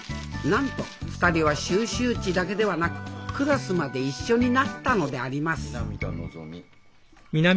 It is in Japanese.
なんと２人は修習地だけではなくクラスまで一緒になったのであります